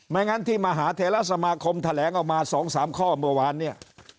งั้นที่มหาเทราสมาคมแถลงออกมา๒๓ข้อเมื่อวานเนี่ย